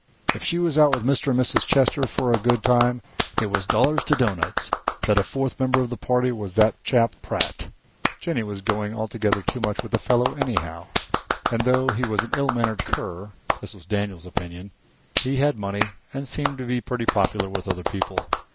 If she was out with Mr. and Mrs. Chester for a good time, it was dollars to doughnuts that a fourth member of the party was that chap Pratt. Jennie was going altogether too much with the fellow anyhow, and though he was an ill mannered cur (this was Daniel's opinion), he had money, and seemed to be pretty popular with other people.